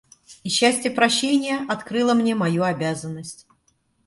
И счастье прощения открыло мне мою обязанность.